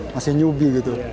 masih nyubi gitu